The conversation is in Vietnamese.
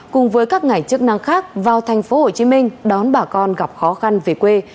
cùng với các ngành chức năng khác vào tp hcm đón bà con gặp khó khăn về quê